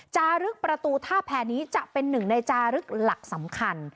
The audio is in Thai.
จารึกประตูท่าแพรนี้จะเป็นหนึ่งในจารึกหลักสำคัญ